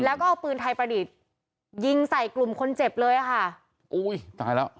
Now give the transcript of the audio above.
แล้วก็เอาปืนไทยประดิษฐ์ยิงใส่กลุ่มคนเจ็บเลยอ่ะค่ะอุ้ยตายแล้ว